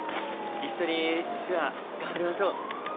一緒に手話頑張りましょう！